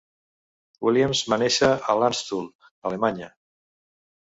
Williams va néixer a Landstuhl, Alemanya.